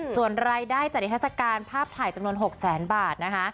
ส่วนรายได้จัดนิทัศกาลภาพถ่ายจำนวน๖แสนบาทนะคะ